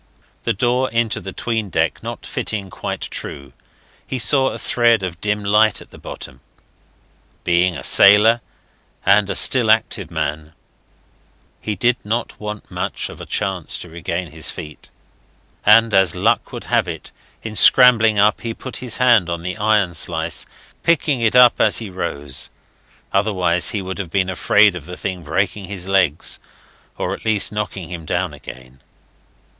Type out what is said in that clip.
The door into the 'tween deck not fitting quite true, he saw a thread of dim light at the bottom. Being a sailor, and a still active man, he did not want much of a chance to regain his feet; and as luck would have it, in scrambling up he put his hand on the iron slice, picking it up as he rose. Otherwise he would have been afraid of the thing breaking his legs, or at least knocking him down again.